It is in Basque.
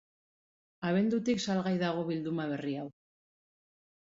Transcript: Abendutik salgai dago bilduma berri hau.